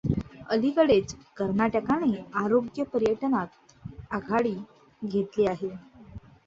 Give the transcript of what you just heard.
अलीकडेच कर्नाटकने आरोग्य पर्यटनात आघाडी घेतली आहे.